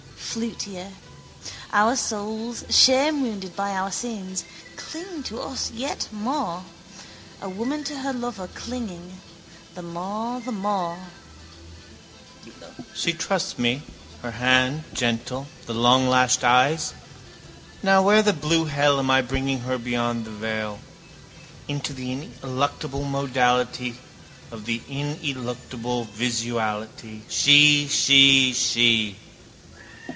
Flutier. Our souls, shamewounded by our sins, cling to us yet more, a woman to her lover clinging, the more the more. She trusts me, her hand gentle, the longlashed eyes. Now where the blue hell am I bringing her beyond the veil? Into the ineluctable modality of the ineluctable visuality. She, she, she.